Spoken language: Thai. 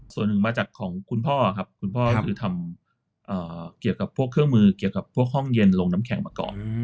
ส่วนหนึ่งมาจากของคุณพ่อครับคุณพ่อคือทำเกี่ยวกับพวกเครื่องมือเกี่ยวกับพวกห้องเย็นลงน้ำแข็งมาก่อน